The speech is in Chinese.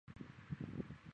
在电影发行公司工作。